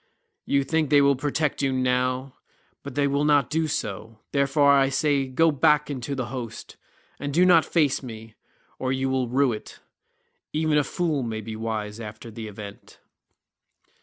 You think they will protect you now, but they will not do so; therefore I say go back into the host, and do not face me, or you will rue it. Even a fool may be wise after the event."